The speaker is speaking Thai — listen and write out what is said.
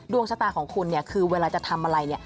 ดวงชะตาของคุณเนี่ยคือเวลาจะทำอะไรเนี่ย